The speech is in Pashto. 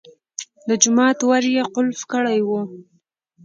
د جومات ور یې قلف کړی و.